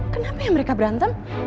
kenapa yang mereka berantem